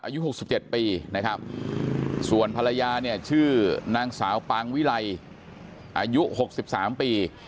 อายุ๖๗ปีนะครับส่วนภรรยาเนี่ยชื่อนางสาวปางวิไลอายุ๖๓ปี